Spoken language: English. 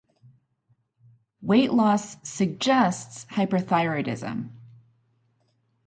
Weight loss suggests hyperthyroidism.